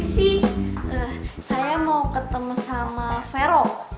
sih saya mau ketemu sama vero